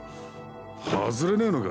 外れねえのか？